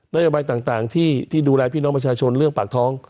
โยบายต่างที่ดูแลพี่น้องประชาชนเรื่องปากท้อง